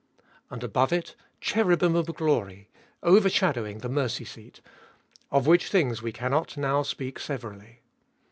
And above it cherubim of glory overshadowing the mercy seat ; of which things we cannot now speak severally.